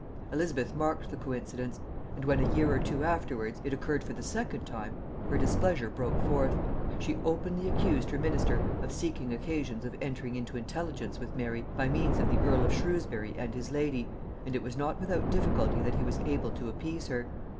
Elizabeth marked the coincidence; and when, a year or two afterwards, it occurred for the second time, her displeasure broke forth: she openly accused her minister of seeking occasions of entering into intelligence with Mary by means of the earl of Shrewsbury and his lady, and it was not without difficulty that he was able to appease her.